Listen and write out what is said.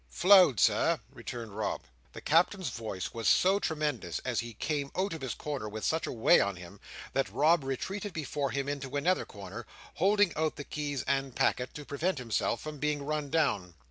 "Flowed, Sir," returned Rob. The Captain's voice was so tremendous, and he came out of his corner with such way on him, that Rob retreated before him into another corner: holding out the keys and packet, to prevent himself from being run down.